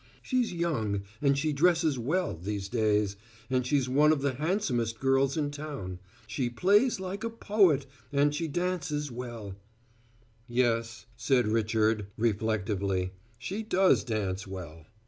She's young, and she dresses well these days and she's one of the handsomest girls in town; she plays like a poet, and she dances well " "Yes," said Richard; reflectively, "she does dance well."